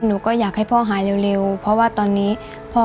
พ่อลูกอย่างค่อนข้างไม่เจอเป็นเกิดที่จะไม่มีท่าทดการ